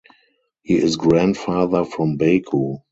He is grandfather from Baku.